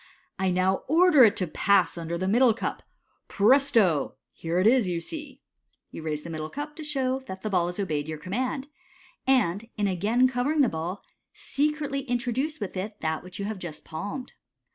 " I now order it to pass under the middle cup. Presto ! Here it is, you see." You raise the middle cup to show that the ball has obeyed your command, and, in again covering the ball, secretly introduce with it that which you have just palmed.